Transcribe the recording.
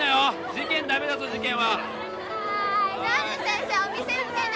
事件ダメだぞ事件ははいじゃあね先生お店来てね